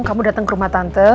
kamu datang ke rumah tante